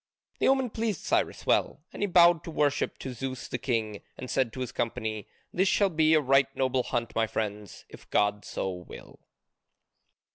The omen pleased Cyrus well, and he bowed in worship to Zeus the King, and said to his company, "This shall be a right noble hunt, my friends, if God so will."